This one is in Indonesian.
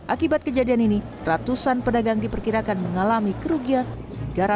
akibat kejadian ini ratusan pedagang diperkirakan mengalami kerugian tiga ratus an juta rupiah